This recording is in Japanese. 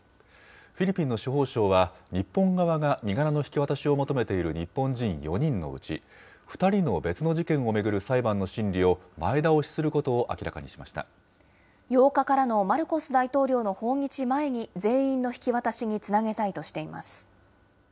フィリピンの司法省は、日本側が身柄の引き渡しを求めている日本人４人のうち、２人の別の事件を巡る裁判の審理を前倒しすることを明らかにしま８日からのマルコス大統領の訪日前に全員の引き渡しにつなげたいとしています。